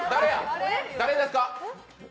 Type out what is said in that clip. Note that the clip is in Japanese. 誰ですか？